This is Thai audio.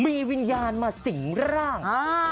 มีวิญญาณมาสิงร่าง